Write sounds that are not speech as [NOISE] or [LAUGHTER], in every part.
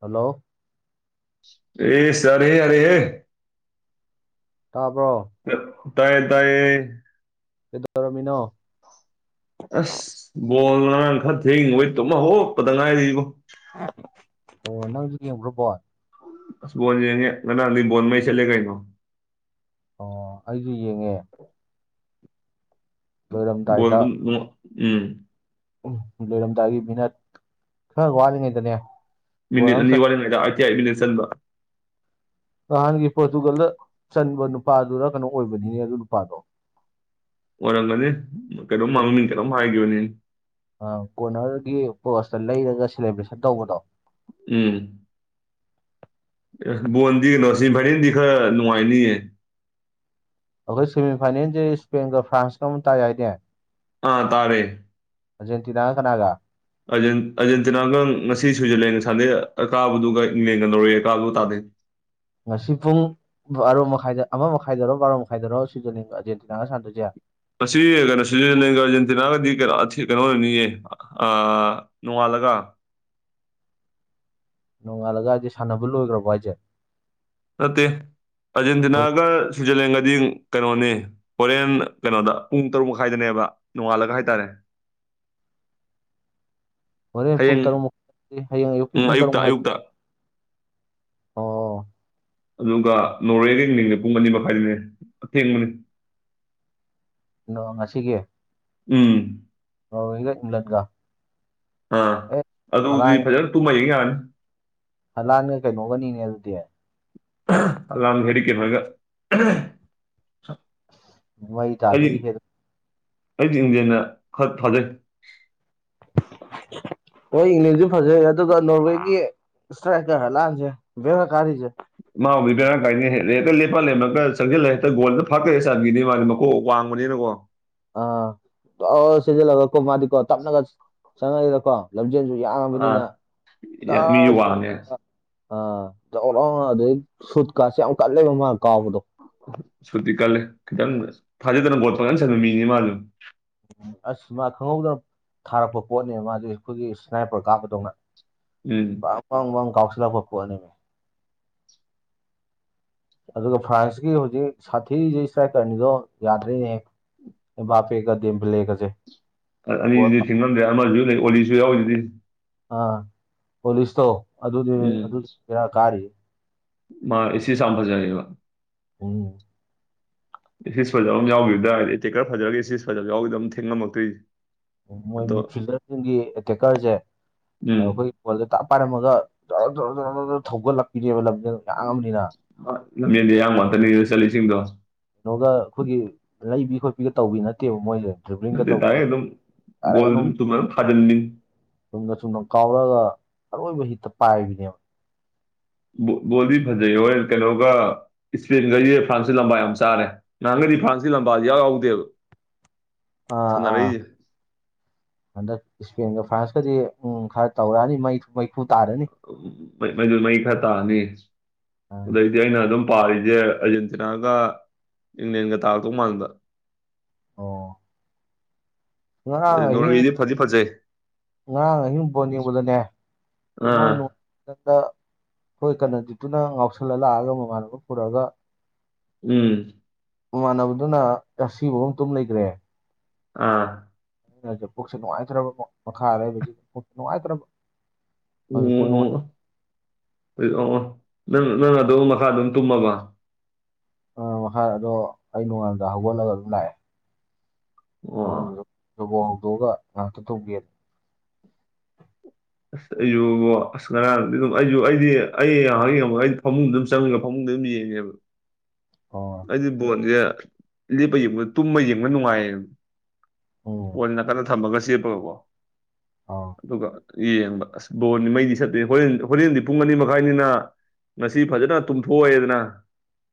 Hello ꯑꯦ ꯁꯔꯦꯦ ꯌꯥꯔꯦ ꯍꯦ ꯇꯥꯕ꯭ꯔꯣ ꯇꯥꯏꯌꯦ ꯇꯥꯏꯌꯦ ꯗꯔꯃꯤꯅꯣ ꯑꯁ ꯕꯣꯜ ꯉꯔꯥꯡ ꯈꯔ ꯊꯦꯡ ꯋꯦ ꯇꯣꯃ ꯍꯧꯣꯠꯄꯗ ꯉꯥꯏꯔꯤꯕꯣ ꯑꯣ ꯅꯪꯁꯨ ꯌꯦꯡꯕ꯭ꯔꯣꯕꯣ ꯑꯁ ꯕꯣꯟ ꯌꯦꯡꯉꯦ ꯉꯅꯥ ꯑꯗꯨꯏ ꯕꯣꯟ ꯃꯩ ꯆꯠꯂꯦ ꯀꯩꯅꯣ ꯑꯣ ꯑꯩꯁꯨ ꯌꯦꯡꯉꯦ ꯂꯣꯏꯔꯝꯗꯥꯏꯗ ꯣꯗ ꯎꯝ ꯎꯝ ꯂꯩꯔꯝꯗꯥꯏꯒꯤ ꯃꯤꯚꯅꯠ ꯈꯔ ꯋꯥꯠꯂꯤꯉꯩꯗꯅꯦ ꯒꯣꯜ ꯑꯃ ꯅꯤ ꯆꯟ ꯋꯥꯔꯤꯥꯏꯗ ꯅꯍꯥꯟꯒꯤ ꯄꯣꯔꯇꯨꯒꯜꯗ ꯆꯟꯕ ꯅꯨꯄꯥꯗꯨꯗ ꯀꯩꯅꯣ ꯑꯣꯏꯕꯅꯤꯅꯦ ꯑꯗꯨ ꯅꯨꯄꯥꯗꯣ ꯑꯣꯏꯔꯝꯒꯅꯤ ꯀꯩꯅꯣꯝ ꯃꯥꯡꯅꯤ ꯀꯩꯅꯣꯝ ꯍꯥꯏꯈꯤꯕꯅꯤ ꯑ ꯀꯣꯔꯅꯔꯒꯤ ꯄꯣꯁꯇ ꯂꯩꯔꯒ ꯁꯦꯂꯦꯕ꯭ꯔꯦꯁꯟ ꯇꯧꯕꯗꯣ ꯎꯝ ꯑꯦ ꯕꯣꯟꯗꯤ ꯀꯩꯅꯣꯁꯤ ꯚꯥꯏꯅꯤꯗꯤ ꯈꯔ ꯅꯨꯡꯉꯥꯏꯅꯤꯌꯦ ꯑꯩꯈꯣꯏ ꯁꯦꯃꯤꯐꯥꯏꯅꯦꯜꯁꯦ ꯏꯁ꯭ꯄꯦꯟꯒ ꯐ꯭ꯔꯥꯟꯁꯀ ꯑꯃꯅ ꯇꯥꯏꯅꯦꯦ ꯑꯥ ꯇꯥꯔꯦ ꯑꯔꯖꯦꯟꯇꯤꯅꯥ ꯀꯅꯥꯒ ꯑꯔꯖꯦꯟꯇꯤꯅꯥꯒ ꯉꯁꯤ ꯁ꯭ꯋꯤꯖꯔꯂꯦꯟꯒ ꯁꯥꯟꯅꯗꯩ ꯀꯥꯕꯗꯨꯒ ꯏꯪꯂꯦꯟꯒ ꯂꯧꯔꯛꯑꯦ ꯀꯀꯥꯗꯨꯣ ꯇꯥꯗꯦ ꯉꯁꯤ ꯄꯨꯡ ꯑꯔꯣ ꯃꯈꯥꯏꯗ ꯑꯃ ꯃꯈꯥꯏꯗꯔꯣ ꯕꯥꯔꯣ ꯃꯈꯥꯏꯗꯔꯣ ꯁꯤꯗ ꯑꯔꯖꯦꯟꯇꯤꯅꯥꯒ ꯁꯥꯟꯗꯣꯏꯁꯦ ꯑꯁꯤ ꯀꯩꯅꯣ ꯁꯤꯖꯤꯟꯅꯒ ꯑꯥꯔꯖꯦꯟꯇꯤꯅꯥꯒꯗꯤ ꯀꯩꯅꯣ ꯑꯣꯏꯅꯅꯤꯌꯦ ꯅꯣꯡꯉꯥꯜꯂꯒ ꯅꯣꯡꯉꯥꯜꯂꯒ ꯍꯥꯏꯗꯤꯦ ꯁꯥꯟꯅꯕ ꯂꯣꯏꯈ꯭ꯔꯕꯣ ꯍꯥꯏꯁꯦ ꯅꯠꯇꯦ ꯑꯔꯖꯦꯟꯇꯤꯅꯥꯒ ꯁ꯭ꯋꯤꯖꯔꯂꯦꯟꯒꯗꯤ ꯀꯩꯅꯣꯅꯤ ꯍꯣꯔꯦꯟ ꯀꯩꯅꯣꯗ ꯄꯨꯡ ꯇꯔꯨꯛ ꯃꯈꯥꯏꯗꯅꯦꯕ ꯅꯣꯡꯉꯥꯜꯂꯒ ꯍꯥꯏꯇꯥꯔꯦ [INAUDIBLE] ꯍꯣꯔꯦꯟ ꯄꯨꯡ ꯍꯌꯦꯡ ꯇꯔꯨꯛꯃꯨ ꯍꯌꯦꯡ ꯑꯌꯨꯛꯀꯤ ꯎꯝ ꯄꯨꯡ ꯇꯔꯨꯛ ꯑꯌꯨꯛꯇ ꯃꯈꯨ ꯑꯌꯨꯛꯇ ꯑꯣ ꯑꯗꯨꯒ ꯅꯣꯔꯋꯦꯗ ꯌꯦꯡ ꯅꯤꯡꯉꯦ ꯄꯨꯡ ꯑꯅꯤ ꯃꯈꯥꯏꯗꯅꯦ ꯑꯊꯦꯡꯕꯅꯤ ꯑꯗꯣ ꯉꯁꯤꯒꯤ ꯎꯝ ꯑꯣ ꯏꯒ ꯏꯪꯂ꯭ꯂꯟꯒ ꯑꯥ ꯑꯗꯨꯗꯤ ꯍꯂꯥꯟ ꯐꯖꯅ ꯇꯨꯝꯃꯌꯦ ꯌꯥꯅꯤ ꯂꯥꯟꯒ ꯀꯩꯅꯣꯒꯅꯤꯅꯦ ꯑꯗꯨꯗꯤ ꯑꯗꯨ ꯍꯦꯗꯤ ꯀꯨꯔꯒ ꯋꯥꯏ ꯆꯥꯗꯣ ꯍꯦꯗ ꯑꯩꯗꯤ ꯏꯟꯗꯤꯦꯅ ꯈꯔ ꯊꯥꯖꯩ ꯍꯣꯏ ꯏꯪꯂꯪꯂꯦꯟꯁꯨ ꯐꯖꯩ ꯑꯗꯨꯒ ꯅꯣꯔꯋꯦꯒꯤ ꯁꯇ꯭ꯔꯥꯏꯀꯔ ꯍꯂꯥꯜꯁꯦ ꯦꯔ ꯀꯔꯤꯁꯦ ꯃꯥ ꯎꯕꯤꯕꯔꯥ ꯀꯥꯏꯅ ꯍꯦ ꯍꯦ ꯂꯦꯞꯄ ꯂꯦꯝꯃꯒ ꯆꯪꯁꯤꯜꯂꯒ ꯍꯦꯛꯇ ꯒꯣꯗ ꯐꯥꯀꯦ ꯆꯥꯟꯕꯤꯅꯤ ꯃꯥꯗꯤ ꯑꯣ ꯋꯥꯡꯕꯅꯤꯅꯀꯣ ꯑꯥ ꯂ ꯁꯤꯖꯤꯜꯂꯒꯀꯣ ꯃꯥꯗꯤꯀꯣ ꯇꯞꯅꯒ ꯆꯪꯉꯅꯤꯗꯀꯣ ꯂꯝꯖꯦꯜꯁꯨ ꯑꯥ ꯌꯥꯝꯡꯉꯕꯅꯤꯅ ꯌꯥꯝ ꯗꯔ ꯃꯤꯁꯨ ꯋꯥꯡꯉꯦ ꯑꯧꯑꯣ ꯑꯗꯨꯗꯩ ꯁꯨꯠ ꯀꯥꯠꯁꯦ ꯌꯥꯝ ꯀꯜꯂꯦꯕ ꯃꯥ ꯀꯥꯎꯕꯗꯣ ꯁꯨꯇꯤ ꯀꯜꯂꯦ ꯈꯤꯇꯪ ꯐꯥꯖꯗꯅ ꯕꯣꯠ ꯄꯪꯒꯟ ꯁꯟꯕ ꯃꯤꯅꯤ ꯃꯥ ꯑꯗꯨꯝ ꯎꯝ ꯑꯁ ꯃꯥ ꯈꯪꯍꯧꯗꯅ ꯊꯥꯔꯛꯄ ꯄꯣꯠꯅꯦ ꯃꯥꯗꯤ ꯑꯩꯈꯣꯏꯒꯤ ꯏꯁꯅꯥꯏꯄꯔ ꯀꯥꯞꯄꯗꯧꯅ ꯎꯝ ꯄꯥ ꯋꯪ ꯋꯪ ꯀꯥꯎꯁꯤꯂꯛꯄ ꯄꯣꯠꯅꯤ ꯑꯗꯨꯒ ꯐ꯭ꯔꯥꯟꯁꯀꯤ ꯍꯧꯖꯤꯛ ꯁꯥꯊꯤꯁꯤ ꯏꯁꯇ꯭ꯔꯥꯏꯛ ꯀꯔ ꯑꯅꯤꯗꯣ ꯌꯥꯗ꯭ꯔꯤꯅꯦꯍꯦ ꯑꯦꯝꯕꯥꯞꯄꯦꯒ ꯗꯦꯝꯕꯦꯂꯦ ꯒꯖꯦ ꯑ ꯑꯅꯤꯁꯤꯗꯤ ꯊꯤꯡꯉꯝꯗ꯭ꯔꯦ ꯑꯃꯁꯨ ꯂꯩ ꯑꯣꯂꯤꯁꯨ ꯌꯥꯎꯔꯤꯁꯤꯗꯤ ꯑ ꯄꯣꯂꯤꯁꯇꯣ ꯑꯗꯨꯗꯤ ꯎꯝ ꯑꯗꯨ ꯕꯦꯔꯥ ꯀꯥꯔꯤ ꯃꯥ ꯑꯦꯁꯤꯁ ꯌꯥꯝ ꯐꯖꯩꯑꯦꯕ ꯎꯝ ꯏꯁꯤꯁ ꯐꯖꯕ ꯑꯃ ꯌꯥꯎꯗ꯭ꯔ ꯍꯥꯏꯗꯤ ꯇꯦꯛꯀꯔ ꯐꯖꯔꯒꯦ ꯏꯁꯤꯁ ꯐꯖꯕꯎꯗ ꯑꯗꯨꯝ ꯊꯦꯡꯉꯝꯃꯛꯇꯣꯏꯁꯦ ꯃꯣꯏ ꯃꯤꯗ ꯐꯤꯜꯗꯔꯁꯤꯡꯒꯤ ꯑꯦꯇꯦꯛꯀꯔꯁꯦ ꯎꯝ ꯑꯩꯈꯣꯏ ꯗ ꯇꯥꯛ ꯄꯥꯏꯔꯝꯃꯒ ꯆꯥꯎꯔ ꯆꯥꯎꯔ ꯆꯥꯎꯔ ꯊꯧꯒꯠꯂꯛꯄꯤꯅꯦꯕ ꯂꯝꯁꯤ ꯃꯥꯡꯉꯝꯅꯤꯅ ꯂꯝꯖꯦꯟꯗ ꯑꯌꯥꯝꯡ ꯋꯥꯟꯇꯅꯤꯗꯅ ꯆꯠꯂꯤꯁꯤꯡꯗꯣ ꯀꯩꯅꯣꯒ ꯑꯩꯈꯣꯏꯒꯤ ꯂꯩꯕꯤ ꯈꯣꯠꯄꯤꯒ ꯇꯧꯕꯤ ꯅꯠꯇꯦꯕ ꯃꯣꯏꯁ ꯑꯗꯨ ꯇ ꯑꯗꯨꯝ ꯒꯣꯜꯗꯨꯝ ꯊꯨꯝꯃ ꯑꯗꯨꯝ ꯊꯥꯖꯤꯟꯅꯤ ꯆꯨꯝꯅ ꯆꯨꯝꯅ ꯀꯥꯎꯔꯛꯑꯒ ꯑꯔꯣꯏꯕ ꯍꯤꯠꯇ ꯄꯥꯏꯕꯅꯦꯕ ꯕꯣ ꯕꯣꯜꯗꯤ ꯐꯖꯩ ꯑꯣꯏ ꯀꯩꯅꯣꯒ ꯏꯁꯄꯦꯟꯈꯩꯖꯤ ꯐ꯭ꯔꯥꯟꯁꯀꯤ ꯂꯝꯕꯥ ꯌꯥꯝ ꯆꯥꯔꯦ ꯅꯍꯥꯟꯒꯩꯗꯤ ꯐ꯭ꯔꯥꯟꯁꯀꯤ ꯂꯝꯕꯥ ꯏꯌꯥꯎ ꯌꯥꯎꯗꯦꯕ ꯑꯥ ꯑꯥ ꯁꯥꯟꯅꯔꯛꯏꯁꯦ ꯍꯟꯗꯛ ꯏꯁꯄꯦꯟꯒ ꯐ꯭ꯔꯥꯟꯁꯀꯗꯤ ꯎꯝ ꯈꯔ ꯇꯧꯔꯛꯑꯅꯤ ꯃꯩ ꯃꯩꯈꯨ ꯇꯥꯔꯅꯤ ꯎ ꯃ ꯃꯩ ꯈꯔ ꯇꯥꯅꯤ ꯑꯥ ꯑꯗꯩ ꯗꯤ ꯑꯩꯅ ꯑꯗꯨꯝ ꯄꯥꯔꯤꯁꯦ ꯑꯔꯖꯦꯟꯇꯤꯅꯥꯒ ꯏꯪꯂꯦꯟꯒ ꯇꯥꯔꯛꯇꯧ ꯃꯥꯟꯕ ꯑꯣ ꯉꯔꯥꯡ ꯑꯍꯤꯡ ꯅꯣꯔꯋꯦꯗꯤ ꯐꯗꯤ ꯐꯖꯩ ꯉꯔꯥꯡ ꯑꯍꯤꯡ ꯕꯣꯟ ꯌꯦꯕꯗꯅꯦ ꯇꯨꯝꯕꯝ ꯑꯥ [UNINTELLIGIBLE] ꯍꯣꯏ ꯀꯔꯅꯖꯤꯠꯇꯨꯅ ꯉꯥꯎꯁꯜꯂ ꯂꯥꯛꯑꯒ ꯃꯃꯥꯟꯅꯕ ꯄꯨꯔꯛꯑꯒ ꯎꯝ ꯃꯃꯥꯟꯅꯕꯗꯨꯅ ꯑꯁꯤꯕ ꯇꯨꯝ ꯂꯩꯒ꯭ꯔꯦ ꯑꯥ ꯄꯨꯛꯁꯨ ꯅꯨꯡꯉꯥꯏꯇ꯭ꯕꯀꯣ ꯃꯈꯥꯗ ꯄꯨꯛꯁꯨ ꯅꯨꯡꯉꯥꯏꯇ꯭ꯔꯕ ꯑꯗꯨ ꯄꯨꯛ ꯅꯨꯡꯉꯥꯏ ꯑꯣ ꯑꯣ ꯑꯣ ꯑꯣ ꯅꯪ ꯅꯪ ꯑꯗꯨ ꯃꯈꯥꯗ ꯑꯗꯨꯝ ꯇꯨꯝꯃꯕ ꯎꯝ ꯍꯥꯏ ꯑꯗꯣ ꯑꯩ ꯅꯣꯡꯉꯜꯂꯝꯗꯥꯏ ꯍꯧꯒꯠꯂꯒ ꯑꯗꯨꯝ ꯂꯥꯛꯑꯦ ꯑꯣ [UNINTELLIGIBLE] ꯂꯕꯣꯛ ꯍꯧꯗꯣꯛꯑꯒ ꯉꯥꯏꯍꯥꯛꯇ ꯇꯨꯝꯒꯦ ꯑꯁ ꯑꯩꯁꯨ ꯏꯕꯨꯉꯣ ꯑꯁ ꯉꯔꯥꯡꯗꯤ ꯑꯗꯨꯝ ꯑꯩꯁꯨ ꯑꯩꯗꯤ ꯑꯩ ꯉꯥꯏꯍꯛ ꯌꯦꯡꯕꯒ ꯑꯩꯗꯤ ꯐꯃꯨꯡꯗꯨ ꯑꯗꯨꯝ ꯆꯪꯉꯒ ꯐꯃꯨꯡꯗ ꯑꯗꯨꯝ ꯌꯦꯡꯉꯦꯕ ꯑꯣ ꯑꯩꯗꯤ ꯕꯣꯟꯖꯦ ꯂꯦꯞꯄ ꯌꯦꯡꯕ ꯇꯨꯝꯕ ꯌꯦꯡꯕꯅ ꯅꯨꯡꯉꯥꯏꯌꯦꯕ ꯎꯝ ꯋꯥꯟ ꯅꯥꯀꯟꯗ ꯊꯝꯃꯒ ꯆꯦꯞꯄꯒꯀꯣ ꯑꯥ ꯑꯗꯨꯒ ꯌꯦꯡꯕ ꯑꯁ ꯕꯣꯜꯗꯤ ꯃꯩꯗꯤ ꯆꯠꯇꯦ ꯍꯣꯔꯦꯟ ꯍꯣꯔꯦꯟꯗꯤ ꯄꯨꯡ ꯑꯅꯤ ꯃꯈꯥꯏꯅꯤꯅ ꯉꯁꯤ ꯐꯖꯅ ꯇꯨꯝꯊꯣꯛꯑꯦꯗꯅ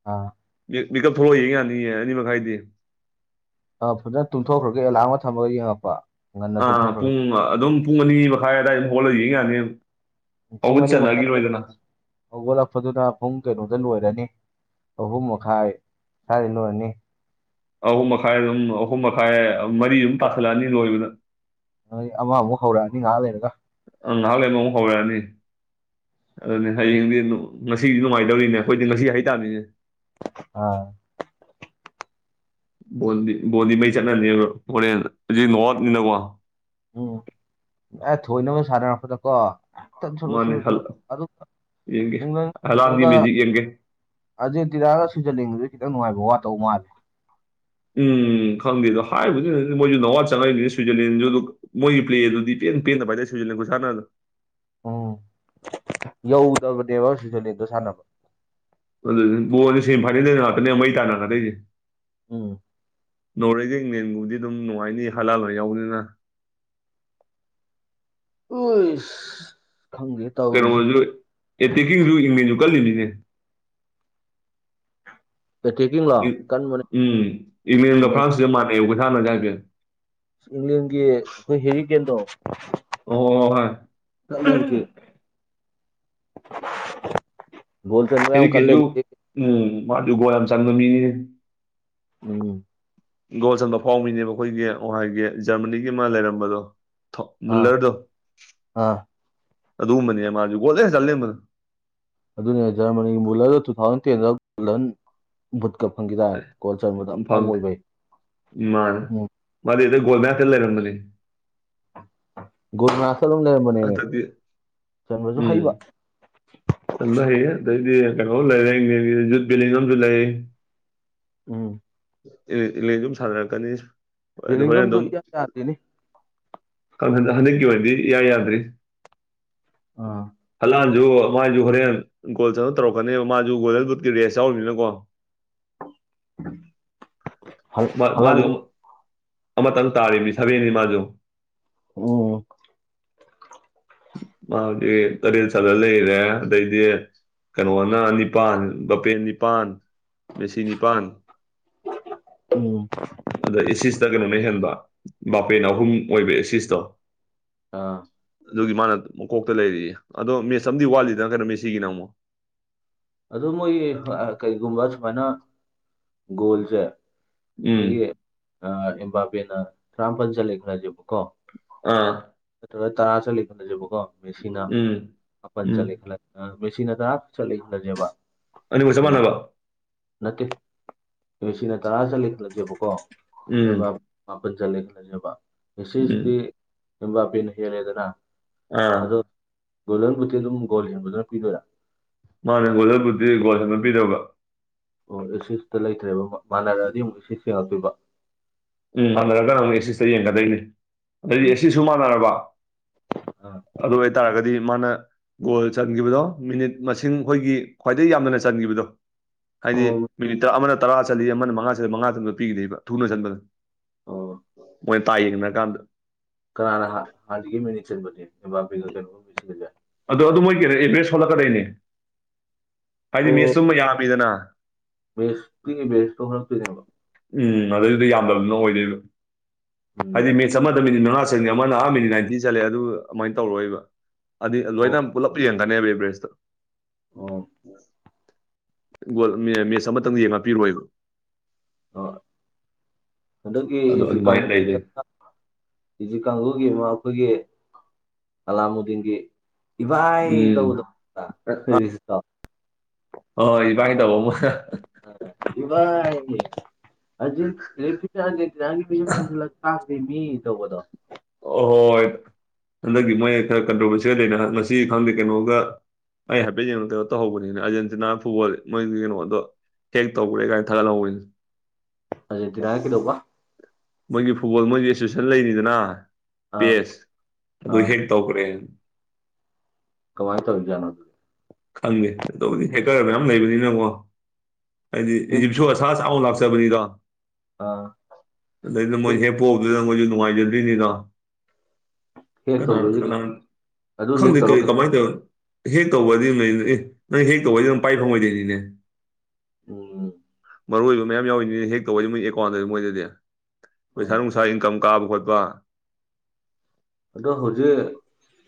ꯑꯥ ꯃꯤ ꯃꯤꯀꯞ ꯊꯣꯛꯂꯛꯑꯒ ꯌꯦꯡ ꯌꯥꯅꯤꯌꯦ ꯑꯅꯤ ꯃꯈꯥꯏꯗꯩꯩ ꯑ ꯐꯖꯅ ꯇꯨꯝꯊꯣꯛꯈ꯭ꯔꯒꯦ ꯑꯦꯂꯥ꯭ꯔꯝꯒ ꯊꯝꯃꯒ ꯌꯦꯡꯉꯛꯄ ꯉꯟꯅ ꯑꯥ ꯇꯨꯝꯊꯣꯛꯈ꯭ꯔꯒ ꯄꯨꯡ ꯑ ꯑꯗꯨꯝ ꯄꯨꯡ ꯑꯅꯤ ꯃꯈꯥꯏ ꯑꯗꯥꯏꯗ ꯑꯗꯨꯝ ꯍꯧꯒꯠꯂ ꯌꯦꯡ ꯌꯥꯅꯦꯕ ꯄꯨꯡ ꯑꯅꯤ ꯃꯈꯥꯏꯗ ꯍꯧꯒꯠꯂꯛꯄꯗꯨꯅ ꯄꯨꯡ ꯀꯩꯅꯣꯗ ꯂꯣꯏꯔꯅꯤ ꯑꯍꯨꯝ ꯃꯈꯥꯏ ꯁ꯭ꯋꯥꯏꯗ ꯂꯣꯏꯔꯅꯤ ꯑꯍꯨꯝ ꯃꯈꯥꯏ ꯑꯗꯨꯝ ꯑꯍꯨꯝ ꯃꯈꯥꯏ ꯃꯔꯤ ꯑꯗꯨꯝ ꯇꯥꯥꯁꯜꯂꯛꯑꯅꯤ ꯂꯣꯏꯕꯗ ꯅꯣꯏ ꯑꯃꯥꯃꯨꯛ ꯍꯧꯔꯛꯑꯅꯤ ꯉꯍꯥꯛ ꯂꯩꯔꯒ ꯑꯪ ꯅꯍꯥꯛ ꯂꯩꯔꯦ ꯑꯃ ꯃꯨꯛ ꯍꯧꯔꯛꯑꯅꯤ ꯑꯗꯨꯅꯤ ꯅꯪ ꯍꯌꯦꯡꯗꯤ ꯉꯁꯤꯗꯤ ꯅꯨꯡꯉꯥꯏꯗꯧꯔꯤꯅꯦ ꯑꯩꯈꯣꯏꯗꯤ ꯉꯁꯤ ꯍꯥꯏꯇꯥꯥꯝꯅꯤꯅꯦ ꯑꯥ ꯗꯤ ꯕꯣꯗꯤꯉꯩ ꯆꯠꯅꯅꯦꯕ ꯍꯣꯔꯦꯟ ꯍꯧꯖꯤꯛ ꯅꯣꯔꯠꯅꯤꯅꯀꯣ ꯎꯝ ꯑꯦ ꯊꯣꯏꯅꯕ ꯁꯥꯟꯅꯔꯛꯄꯗꯀꯣ ꯃꯥꯅꯦ ꯍꯜ ꯆ ꯌꯦꯡꯒꯦ ꯍꯂꯥꯟꯒꯤ ꯏꯪꯂ ꯃꯦꯖꯤꯛ ꯌꯦꯡꯒꯦ ꯑꯗꯨꯦ ꯇꯤꯔꯥꯒ ꯁꯤꯖꯜꯂꯤꯅꯤꯡꯕꯗꯨꯁꯨ ꯈꯤꯇꯪ ꯅꯨꯡꯉꯥꯏꯕ ꯋꯥꯠꯇꯧ ꯃꯥꯜꯂꯦ ꯎꯝ ꯈꯪꯗꯦ ꯑꯗ ꯍꯥꯏꯔꯤꯕꯗꯨꯗꯤ ꯃꯣꯏꯁꯨ ꯅꯋꯥ ꯆꯪꯉꯛꯏꯅꯤ ꯁ꯭ꯋꯤꯖꯔꯂꯦꯟꯁꯨ ꯑꯗꯨ ꯃꯣꯏꯒꯤ ꯄ꯭ꯂꯦ ꯑꯗꯨꯗꯤ ꯄꯦꯟ ꯄꯦꯟꯗ ꯄꯏꯗ ꯁꯨꯁꯤꯜꯂꯦꯣ ꯁꯥꯥꯟꯅ ꯑꯗꯨ ꯎꯝ ꯌꯧꯒꯗꯕꯅꯦꯕ ꯁꯤꯖꯣꯂꯦꯟꯗꯣ ꯁꯥꯟꯅꯕ ꯑꯗꯨꯗꯤ ꯕꯣꯟꯁ ꯁꯦꯝ ꯐꯥꯏꯅꯗꯣꯏ ꯉꯥꯛꯇꯅꯦ ꯃꯩ ꯇꯥꯅ ꯉꯗꯣꯏꯁꯦ ꯎꯝ ꯅꯣꯔꯋꯦꯒ ꯏꯪꯂꯦꯟꯕꯨꯗꯤ ꯑꯗꯨꯝ ꯅꯨꯡꯉꯥꯏꯅꯤ ꯍꯂꯥꯜ ꯍꯣꯏ ꯌꯥꯎꯕꯅꯤꯅ ꯎꯁ ꯈꯪꯗꯦ ꯇꯧꯔꯤꯁꯦ ꯀꯩꯅꯣꯖꯨ ꯑꯦꯇꯦꯛꯀꯤꯡꯖꯨ ꯏꯪꯂꯦꯟꯖꯨ ꯀꯜꯂꯤꯅꯤꯅꯦ [UNINTELLIGIBLE] ꯏꯞ ꯀꯟꯕꯅꯦ ꯎꯝ ꯏꯪꯂꯦꯟꯒ ꯐ꯭ꯔꯥꯟꯁꯁꯤꯒ ꯃꯥꯟꯅꯦꯌꯦꯕ ꯈꯨꯁꯥꯟꯅꯖꯦ ꯍꯥꯏꯐꯦꯠ ꯏꯪꯂꯦꯟꯒꯤ ꯑꯩꯈꯣꯏ ꯍꯦꯔꯤꯀꯦꯟꯗꯣꯠ ꯑꯣ ꯍꯣꯏ ꯀꯥꯏꯅꯕꯩ꯫ [INAUDIBLE] ꯌꯥꯝ ꯍꯦꯔꯤꯛ ꯀꯜꯂꯦ ꯀꯦꯗꯤꯨ ꯎꯝ ꯃꯥ ꯗꯨꯒꯣ ꯌꯥꯝ ꯆꯪꯕ ꯃꯤꯅꯤ ꯎꯝ ꯒꯣꯜ ꯁꯟꯗ ꯐꯥꯎꯃꯤꯅꯦꯕ ꯑꯩꯈꯣꯏꯒꯤꯥꯏꯒꯤ ꯖꯔꯃꯅꯤꯒꯤ ꯑꯃ ꯂꯩꯔꯝꯕꯗꯣ ꯑꯥ ꯃꯨꯜꯂꯔꯗꯣ ꯑꯥ ꯑꯗꯨꯒꯨꯝꯕꯅꯦ ꯃꯥꯁꯨ ꯒꯣꯠꯂꯦ ꯆꯠꯂꯕꯗꯣ ꯑꯗꯨꯅ ꯖꯔꯃꯅꯤꯒꯤ ꯃꯨꯂꯔꯗ ꯇꯨ ꯊꯥꯎꯖꯟ ꯇꯦꯟꯗ ꯒꯣꯜꯗꯟ ꯚꯨꯠꯀ ꯐꯪꯈꯤꯗꯔꯦ ꯀꯒꯣꯜ ꯆꯟꯕꯗ ꯑꯐꯥꯎꯕ ꯐꯪꯗꯦ ꯑꯣꯏꯕꯩ ꯎꯝ ꯃꯥꯗꯤꯦꯒꯣꯜꯃꯌꯥꯊꯦꯜ ꯂꯩꯔꯅꯤ ꯒꯨꯔꯨꯅꯥꯊꯇ ꯑꯗꯨꯝ ꯂꯩꯔꯝꯕꯅꯦꯅꯦ ꯍꯟꯗꯛꯇꯤ ꯆꯟꯕꯁꯨ ꯍꯩꯕ ꯂꯩ ꯑꯗꯩꯗꯤ ꯀꯩꯅꯣ ꯂꯩꯔꯦ ꯌꯖꯨꯠ ꯕꯤꯂꯤꯡ ꯑꯃꯁꯨ ꯂꯩ ꯎꯝ ꯏꯂꯦꯟ ꯁꯨꯝ ꯁꯥꯟꯅꯔꯛꯀꯅꯤ ꯑꯗꯨ ꯍꯣꯔꯦꯟ ꯕꯦꯂꯤꯡꯒꯝꯗꯣ ꯑꯗꯨꯝ ꯏꯌꯥ ꯌꯥꯗꯦꯅꯦ ꯍꯟꯗꯛꯀꯤ ꯑꯣꯏꯗꯤ ꯌꯥ ꯌꯥꯗ꯭ꯔꯤ ꯑꯥ ꯍꯂꯥꯟꯁꯨ ꯃꯥꯏꯁꯨ ꯍꯣꯔꯦꯟ ꯒꯣꯜ ꯆꯪꯅ ꯇꯧꯔꯛꯀꯅꯦꯕ ꯃꯥꯁꯨ ꯒꯣꯗꯜ ꯕꯨꯗꯀꯤ ꯔꯦꯁ ꯌꯥꯎꯔꯤꯅꯤꯅꯀꯣ ꯍꯜ- ꯃꯥꯁꯨ ꯍꯂꯥꯟꯒ ꯑꯃꯇꯪ ꯇꯥꯔꯤꯅꯤ ꯁꯕꯦꯟꯅꯤ ꯃꯥꯁꯨ ꯑꯣ ꯃꯥꯗꯤ ꯇꯔꯦꯠ ꯁꯥꯔ ꯂꯩꯔꯦ ꯑꯗꯩꯗꯤ ꯀꯩꯅꯣꯅ ꯅꯤꯄꯥꯟ ꯒꯄꯦꯟ ꯅꯤꯄꯥꯟ ꯃꯦꯁꯤ ꯅꯤꯄꯥꯟ ꯎꯝ ꯑꯗ ꯑꯦꯁꯤꯁꯇ ꯀꯩꯅꯣꯅ ꯍꯦꯟꯕ ꯕꯥꯄꯦꯟ ꯑꯍꯨꯝ ꯑꯣꯏꯕ ꯑꯦꯁꯤꯁꯇꯣ ꯑ ꯑꯗꯨꯒꯤ ꯃꯥꯅ ꯃꯀꯣꯛꯇ ꯂꯩꯔꯤ ꯑꯗꯣ ꯃꯦꯁ ꯑꯃꯗꯤ ꯋꯥꯠꯂꯤꯗꯅ ꯀꯩꯅꯣ ꯃꯦꯠꯁꯤꯒꯤꯅ ꯑꯃꯨꯛ ꯑ ꯃꯣꯏꯒꯤ ꯀꯩꯒꯨꯝꯕ ꯁꯨꯃꯥꯏꯅ ꯒꯣꯜꯁꯦ ꯎꯝ ꯑꯩꯈꯣꯏꯒꯤ ꯏꯕꯥꯕꯦꯅ ꯇꯔꯥꯃꯄꯜ ꯆꯠꯂꯈ꯭ꯔꯁꯦꯕꯀꯣ ꯎꯝ ꯅꯠꯇ ꯇꯔꯥ ꯆꯠꯂꯦ ꯈꯜꯂꯁꯦꯕꯀꯣ ꯃꯦꯁꯤꯅꯥ ꯎꯝ ꯃꯥꯄꯟ ꯎꯝ ꯆꯠꯂꯦ ꯈꯜꯂꯦ ꯦꯁꯤꯅꯗꯥ ꯆꯠꯂꯤ ꯈꯜꯂꯁꯦꯕ ꯑꯅꯤꯕꯨ ꯑꯗꯨ ꯆꯃꯅꯅꯕ ꯅꯠꯇꯦ ꯑꯦ ꯁꯤꯅ ꯇꯔꯥ ꯆꯠꯂꯤ ꯈꯂꯁꯦꯕꯀꯣ ꯎꯝ ꯃꯥꯄꯟ ꯆꯠꯂꯦ ꯈꯜꯂꯁꯦꯕ ꯎꯝ ꯉꯁꯤꯁꯤꯇꯤ ꯌꯕꯥꯄꯤꯦꯅ ꯍꯦꯜꯂꯦꯗꯅ ꯑꯥ ꯑꯗꯣ ꯒꯣꯂꯔꯕꯨꯠꯇꯤ ꯑꯗꯨꯝ ꯒꯣꯜ ꯍꯦꯟꯕꯗꯅ ꯄꯤꯗꯣꯏꯔꯥ ꯃꯥꯅ ꯒꯣꯜꯖꯔꯕꯨꯗꯤ ꯒꯣꯜꯁꯟꯒ ꯄꯤꯗꯧꯕ ꯑꯣ ꯑꯦꯁꯤꯇ ꯂꯩꯇ꯭ꯔꯦꯕ ꯃꯥꯟꯅꯔꯛꯑꯗꯤ ꯑꯃꯨꯛ ꯏ ꯌꯦꯡꯉꯛꯇꯄꯤꯣꯏꯕ ꯎꯝ ꯃꯥꯟꯅꯔꯒ ꯅꯪ ꯑꯦꯁꯤꯇ ꯌꯦꯡꯒꯗꯣꯏꯅꯤ ꯑꯗꯩꯗꯤ ꯎꯝ ꯑꯦꯁꯤꯁꯨ ꯃꯥꯟꯅꯔꯕ ꯑꯥ ꯑꯗꯨ ꯑꯣꯏꯇꯥꯔꯒꯗꯤ ꯃꯥꯅ ꯒꯣꯜ ꯆꯟꯈꯤꯕꯗꯣ ꯃꯤꯅꯤꯠ ꯃꯁꯤꯡ ꯑꯩꯈꯣꯏꯒꯤ ꯈ꯭ꯋꯥꯏꯗꯒꯤꯩ ꯌꯥꯝꯅꯅ ꯆꯟꯈꯤꯕꯗꯣ ꯍꯥꯏꯗꯤ ꯑꯣ ꯃꯤꯅꯤꯠ ꯇꯔꯥ ꯑꯃꯅ ꯇꯔꯥ ꯆꯠꯂꯤ ꯑꯃꯅ ꯃꯉꯥ ꯆꯠꯂꯤ ꯃꯉꯥ ꯆꯟꯕ ꯄꯤꯈꯤꯗꯣꯏꯕ ꯊꯨꯅ ꯆꯟꯕꯗ ꯑꯣ ꯃꯣꯏꯅ ꯇꯥꯏ ꯌꯦꯡꯅ ꯀꯥꯟꯗ ꯀꯅꯥꯅ ꯍꯥꯟꯅꯒ ꯃꯤꯡꯅꯤ ꯆꯟꯕꯅꯦ ꯕꯥꯕꯤꯒ ꯀꯩꯅꯣ ꯑꯗꯣ ꯑꯗꯨ ꯃꯣꯏꯒꯤ ꯑꯦꯚꯔꯦꯁ ꯍꯣꯜꯂꯛꯀꯗꯅꯦ ꯍꯥꯏꯗꯤ ꯑꯣ ꯃꯦꯠꯁ ꯆꯨꯝꯕ ꯌꯥꯝꯃꯤꯗꯅ ꯃꯦꯁꯇꯒꯤ ꯦꯁ ꯍꯣ ꯎꯝ ꯑꯗꯨꯗꯩꯗꯨꯗꯤ ꯌꯥꯝꯗꯕꯗꯨꯅ ꯑꯣꯏꯗꯣꯏꯕ ꯎꯝ ꯍꯥꯏꯗꯤ ꯃꯦꯠꯁ ꯑꯃ ꯗ ꯃꯤꯅꯤꯠ ꯃꯉꯥ ꯆꯪꯅꯤ ꯑꯃꯅ ꯑꯥ ꯃꯤꯅꯤꯠ ꯅꯥꯏꯟꯇꯤ ꯆꯠꯂꯦ ꯑꯗꯨꯥꯏꯅ ꯇꯧꯔꯣꯏꯕ ꯑꯗꯤ ꯑꯣ ꯂꯣꯏꯅ ꯄꯨꯂꯞ ꯌꯦꯡ ꯅꯦ ꯑꯄ꯭ꯔꯥꯏꯁꯇ ꯑꯣ ꯒꯣꯜ ꯃꯦꯠꯆ ꯑꯃꯇꯪ ꯌꯦꯡꯉꯥꯛꯄꯤꯔꯣꯏꯕ ꯑ ꯍꯟꯗꯛꯀꯤ ꯑꯗꯣ ꯍꯧꯁꯨ ꯑꯗꯨꯃꯥꯏꯅ ꯀꯥꯡꯕꯨ ꯂꯩꯗꯣꯏ ꯍꯧꯖꯤꯛ ꯀꯥꯡꯒꯒꯤ ꯑꯃ ꯑꯩꯈꯣꯏꯒꯤ ꯑꯂꯥꯃꯨꯗꯤꯟꯒꯤ ꯏꯚꯥꯏ ꯎꯝ ꯇꯗ ꯍ ꯍꯣꯏ ꯏꯕꯥꯥꯏꯅ ꯇꯧꯕ ꯑꯃꯣꯏ ꯏꯕꯥ ꯑꯖꯤ ꯔꯦꯐꯒꯤ ꯃꯤ ꯇꯧꯕꯗꯣ ꯑꯍꯣꯏꯣꯏ ꯍꯟꯗꯛꯀꯤ ꯃꯣꯏꯅ ꯈꯔ ꯀꯟꯇ꯭ꯔꯣꯚꯔꯁꯤꯌꯥ ꯂꯩꯅ ꯉꯁꯤ ꯈꯪꯗꯦ ꯀꯩꯅꯣꯒ ꯑꯩ ꯍꯥꯏꯐꯦꯠ ꯌꯦꯡꯉꯣ ꯀꯩꯅꯣ ꯇꯧꯍꯧꯕꯅꯤꯅ ꯑꯔꯖꯦꯟꯇꯤꯅꯥ ꯐꯨꯠꯕꯣꯜ ꯃꯣꯏꯒꯤ ꯀꯩꯅꯣꯗꯣ ꯍꯦꯛ ꯇꯧꯧꯕꯦ ꯀꯥꯏ ꯊꯒꯂ ꯑꯔꯖꯦꯟꯇꯤꯅ ꯅ ꯀꯩꯗꯧꯕ ꯃꯣꯏꯒꯤ ꯐꯨꯠꯕꯣꯜ ꯃꯣꯏꯒꯤ ꯑꯦꯁꯣꯁꯤꯌꯦꯁꯟ ꯂꯩꯔꯤꯅꯤꯗꯅ ꯑꯥ ꯄꯦꯁ ꯑꯗꯨ ꯑꯥ ꯍꯦꯛ ꯇꯧꯈ꯭ꯔꯦ ꯀꯃꯥꯏ ꯇꯧꯔꯤ ꯖꯠꯅꯣ ꯈꯪꯗꯦ ꯑꯗꯨꯕꯨꯗꯤ ꯍꯦꯛꯀꯔ ꯃꯌꯥꯝ ꯂꯩꯕꯅꯤꯅꯀꯣ ꯍꯥꯏꯗꯤ ꯍꯦꯛ ꯏꯖꯤꯞꯁꯨ ꯑꯁꯥ ꯆꯃꯨ [UNINTELLIGIBLE] ꯂꯥꯛꯆꯥꯕꯅꯤꯗꯣ ꯑꯥ ꯑꯗꯩꯗ ꯃꯣꯏ ꯍꯦꯛ ꯄꯣꯕꯗꯨꯗ ꯃꯣꯏꯁꯨ ꯅꯨꯡꯉꯥꯏꯖꯗ꯭ꯔꯤꯅꯤꯗ ꯍꯦꯛ ꯀꯅꯥꯔꯇ ꯇꯧꯗꯣꯏꯁꯦ ꯀꯩ ꯀꯅꯥꯔ ꯑꯗꯨ ꯍꯦꯛ ꯈꯪꯗ ꯇꯧꯔ ꯀꯔꯤ ꯀꯩ ꯀꯃꯥꯏꯗ ꯍꯦꯛ ꯀꯧꯕꯗꯤ ꯅꯣꯏ ꯅꯪ ꯍꯦꯛ ꯀꯧꯕꯗꯤ ꯅꯪ ꯄꯥꯏ ꯐꯪꯉꯣꯏꯗꯣꯏꯅꯤꯅꯦ ꯎꯝ ꯃꯔꯨ ꯑꯣꯏꯕ ꯃꯌꯥꯝ ꯌꯥꯎꯔꯤꯅꯤꯅ ꯍꯦꯛ ꯇꯧꯕꯗꯤ ꯃꯣꯏ ꯑꯦꯀꯥꯎꯟꯗꯗꯤ ꯃꯣꯏꯗꯗꯤ ꯃꯣꯏ ꯑꯣ ꯏꯁꯥ ꯏꯟꯀꯝ ꯀꯥꯕ ꯈꯣꯠꯄ ꯑꯗꯣ ꯍꯧꯖꯤꯛ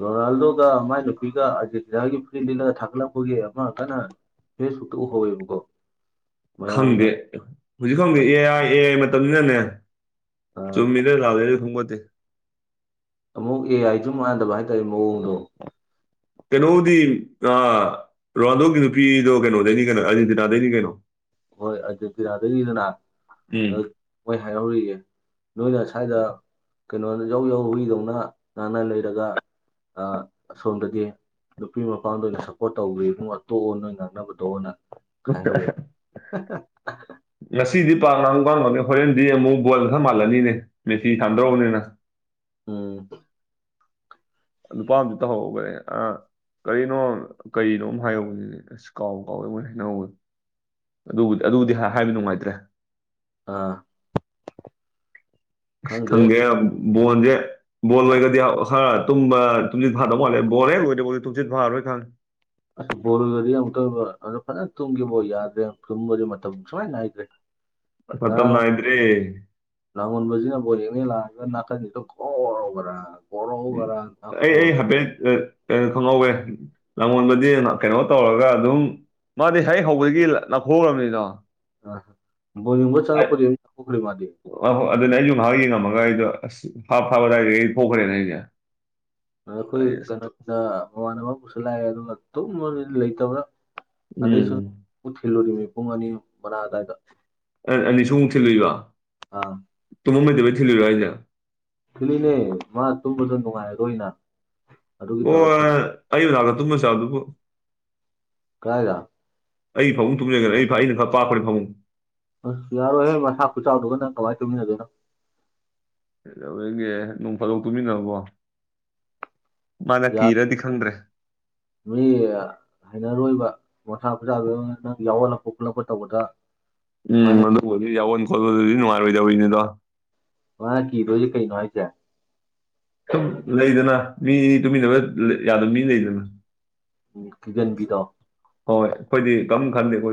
ꯔꯣꯅꯥꯜꯗꯣꯒ ꯃꯥꯏ ꯅꯨꯄꯤꯒ ꯑꯥꯔꯖꯦꯟꯇꯤꯅꯥꯒꯤ ꯐꯨꯔꯤꯠ ꯂꯤꯜꯂꯒ ꯊꯥꯒꯠꯂꯛꯄꯒꯤ ꯑꯃ ꯀꯅꯥ ꯍꯦ ꯁꯨꯇ ꯎꯍꯧꯋꯦꯕꯀꯣ ꯃꯌꯥꯝꯅ ꯈꯪꯗꯦ ꯍꯧꯖꯤꯛ ꯈꯪꯗꯦ ꯃ- ꯑꯦ ꯑꯥꯏ ꯑꯦ ꯑꯥꯏ ꯃꯇꯝꯅꯤꯁꯤꯅꯅꯦ ꯑꯥ ꯆꯨꯝꯃꯤ ꯂꯩ ꯂꯦ ꯐꯣꯡꯃꯗꯤꯦ ꯑꯃꯨꯛ ꯑꯦ ꯑꯥꯏꯁꯨ ꯃꯥꯟꯗꯕ ꯍꯥꯏꯇꯥꯔꯦ ꯃꯑꯣꯡꯗꯣ ꯀꯩꯅꯣꯗꯤ ꯑ ꯔꯣꯅꯥꯜꯗꯣꯒꯤ ꯅꯨꯄꯤꯗꯣ ꯀꯩꯅꯣꯗꯩꯅꯤ ꯀꯩꯅꯣ ꯑꯔꯖꯦꯟꯇꯤꯅꯥꯗꯩꯅꯤ ꯀꯩꯅꯣ ꯍꯣꯏ ꯑꯔꯖꯦꯟꯇꯤꯅꯥꯗꯒꯤꯅꯤꯗꯅ ꯎꯝ ꯑ ꯃꯣꯏ ꯍꯥꯏꯍꯧꯔꯤꯌꯦ ꯅꯣꯏꯅ ꯁ꯭ꯋꯥꯏꯗ ꯀꯩꯅꯣꯗ ꯌꯧ ꯌꯧ ꯍꯨꯏꯗꯧꯅ ꯉꯥꯡꯅ ꯂꯩꯔꯒ ꯑ ꯑꯁꯣꯝꯗꯗꯤ ꯅꯨꯄꯤ ꯃꯄꯥꯝꯗ ꯑꯣꯏꯅ ꯁꯞꯄꯣꯔꯠ ꯇꯧꯋꯦ ꯏꯕꯨꯡꯉꯣꯇꯣꯛꯑꯣ ꯅꯣꯏ ꯉꯥꯡꯅꯕꯗꯣꯅ ꯈꯥꯏꯍꯧꯋꯦꯏ [UNINTELLIGIBLE] ꯉꯁꯤꯗꯤ ꯄꯥꯛ ꯉꯥꯡꯕꯅꯤ ꯍꯣꯔꯦꯟꯗꯤ ꯑꯃꯨꯛ ꯕꯣꯜ ꯈꯔ ꯃꯥꯜꯂꯅꯤꯅꯦ ꯃꯦꯊꯤ ꯊꯥꯟꯗꯧꯔꯕꯅꯤꯅ ꯑ ꯅꯨꯄꯥꯝꯗꯨ ꯇ ꯍꯈꯦ ꯑ ꯀꯔꯤꯅꯣ ꯀꯅꯣ ꯑꯃ ꯍꯥꯏꯔꯧꯕꯅꯦ ꯑꯁ ꯀꯥꯎ ꯀꯥꯎꯋꯦ ꯑꯩ ꯃꯣꯏꯅ ꯍꯥꯏꯅꯍꯧꯕ ꯑꯗꯨꯕꯨꯗꯤ ꯑꯗꯨꯕꯨꯗꯤ ꯍꯥꯏꯕ ꯅꯨꯡꯉꯥꯏꯇ꯭ꯔꯦ ꯑꯥ ꯈꯪꯗꯦ ꯈꯪꯒꯦ ꯕꯣꯟꯣꯟꯁꯦ ꯕꯣꯜ ꯂꯣꯏꯒꯔꯗꯤ ꯑ ꯈꯔ ꯇꯨꯝꯕ ꯇꯨꯝꯁꯤꯠ ꯐꯥꯗꯧꯕ ꯃꯥꯜꯂꯦ ꯕꯣꯜ ꯍꯦꯛ ꯂꯣꯏꯗꯔꯤꯐꯥꯎꯗꯤ ꯇꯨꯝꯁꯤꯠ ꯐꯥꯔꯣꯏ ꯈꯪꯉ ꯑꯁ ꯕꯣꯔꯣꯏꯒꯗꯤ ꯑꯃꯨꯛꯇꯣꯏꯕ ꯑꯗꯨꯗꯣ ꯐꯖꯅ ꯇꯨꯝꯈꯤꯕ ꯌꯥꯗ꯭ꯔꯦ ꯇꯨꯝꯕꯗꯤ ꯃꯇꯝ ꯁꯨꯅꯥꯏꯅ ꯅꯥꯏꯗ꯭ꯔꯦ ꯃꯇꯝ ꯅꯥꯏꯗ꯭ꯔꯦ ꯂꯉꯣꯟꯕꯖꯤꯅ ꯕꯣꯜ ꯌꯦꯡꯅꯦ ꯂꯥꯛꯑꯒ ꯅꯀꯟꯁꯤꯗ ꯒꯣꯒꯣꯔꯕ ꯎ ꯑꯩ ꯑꯩ ꯍꯕꯦꯟ ꯀꯩꯅꯣ ꯈꯪꯍꯧꯋꯦ ꯂꯉꯣꯟꯕꯗꯤ ꯀꯩꯅꯣ ꯇꯧꯔꯒ ꯑꯗꯨꯝ ꯃꯥꯗꯤ ꯍꯦꯛ ꯍꯧꯕꯗꯒꯤ ꯂ ꯅꯥꯈꯣꯛꯈ꯭ꯔꯕꯅꯤꯗꯣ ꯑ ꯕꯣꯅꯕ ꯆ ꯄꯨꯈꯔꯤ ꯄꯨꯈ꯭ꯔꯤ ꯃꯥꯗꯤ ꯑꯍꯣꯏ ꯑꯗꯨꯅꯦ ꯑꯩꯁꯨ ꯉꯥꯏꯍꯥꯛ ꯌꯦꯡꯉꯝꯃꯒ ꯑꯩꯗꯣ ꯑꯁ ꯐꯥꯞ ꯐꯥꯕ ꯑꯗꯨꯗꯥꯏꯗꯒꯤ ꯑꯩ ꯊꯣꯛꯈ꯭ꯔꯦꯅ ꯑꯩꯁꯦ ꯑꯩꯈꯣꯏ ꯑꯩ ꯑꯁ ꯇꯨ- ꯀꯩꯅꯣꯗ ꯃꯃꯥꯟꯅꯕ ꯑꯃꯁꯨꯁꯨ ꯂꯥꯛꯑꯦ ꯑꯗꯨꯒ ꯇꯨꯝ ꯂꯩꯇꯕ꯭ꯔꯥ ꯎꯝ ꯑꯁꯨ ꯊꯜꯂꯣꯔꯤ ꯄꯨꯡ ꯑꯅꯤ ꯃꯅꯥ ꯇ ꯑꯅꯤꯁꯨꯃꯨꯛ ꯊꯤꯜꯂꯨꯏꯕ ꯑ ꯇꯨꯝꯃꯝꯉꯗꯕꯩ ꯊꯤꯜꯂꯨꯔꯣ ꯑꯩꯅ ꯀꯤꯂꯤꯅꯦ ꯃꯥ ꯇꯨꯝꯕꯗ ꯅꯨꯡꯉꯥꯏꯔꯔꯣꯏꯅ ꯑꯗꯨꯒꯤ ꯑꯣ ꯇꯧꯔ ꯊꯤ ꯑꯩ ꯅꯥꯛꯇ ꯇꯨꯝꯃꯁꯨꯌꯥꯕꯗꯨꯕꯣ ꯀꯥꯏꯗ ꯑꯩ ꯐꯃꯨꯡ ꯇꯨꯝꯖꯒ꯭ꯔꯦ ꯑꯩ ꯑꯩꯅ ꯈꯔ ꯄꯥꯛꯄꯅꯦ ꯐꯃꯨꯡ ꯑꯁ ꯌꯥꯔꯣꯏꯍꯦ ꯃꯁꯥ ꯈꯨꯆꯥꯎꯗꯨꯒ ꯅꯪ ꯀꯃꯥꯏꯅ ꯇꯧꯃꯤꯟꯅꯗꯣꯏꯅꯣ ꯀꯩꯗꯧꯌꯦꯒꯦ ꯅꯣꯡ ꯐꯥꯗꯣꯛ ꯇꯨꯃꯤꯟꯅꯕꯕꯣ ꯃꯥꯅ ꯌꯥꯔꯣꯏ ꯀꯤꯔꯗꯤ ꯈꯪꯗ꯭ꯔꯦ ꯃꯤ ꯍꯥꯏꯅꯔꯣꯏꯕ ꯃꯁꯥ ꯈꯨꯆꯥꯎꯗꯨꯒ ꯅꯪ ꯌꯥꯎꯍꯜꯂꯛꯄ ꯈꯣꯠꯂꯛꯄ ꯇꯧꯕꯗ ꯎꯝ ꯃꯥꯅ ꯑꯗꯨꯕꯨꯗꯤ ꯌꯥꯎꯣꯟ ꯈꯣꯠꯄꯗꯨꯗꯤ ꯅꯨꯡꯉꯥꯏꯔꯣꯏꯗꯧꯔꯤꯅꯤꯗꯣ ꯋꯥ ꯀꯗꯣꯏꯦ ꯀꯩꯩꯅꯅꯣ ꯍꯥꯏꯁꯦ ꯁꯨꯝ ꯂꯩꯗꯅ ꯃꯤ ꯇꯨꯃꯤꯟꯅꯕ ꯌꯥꯗꯕ ꯃꯤ ꯂꯩꯗꯅ ꯎꯝ ꯀꯤꯒꯟꯕꯤꯗꯣ ꯍꯣꯏ ꯑꯩꯈꯣꯏꯗꯤ ꯀꯝ ꯈꯟꯗꯦ ꯑꯩꯈꯣꯏ